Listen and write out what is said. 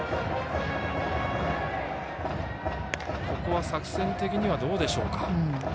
ここは作戦的にはどうでしょうか？